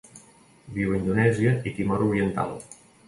Viu a Indonèsia i Timor Oriental.